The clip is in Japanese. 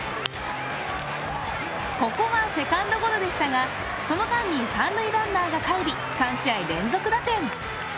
ここはセカンドゴロでしたがその間に三塁ランナーが帰り３試合連続打点。